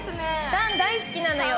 タン、大好きなのよ。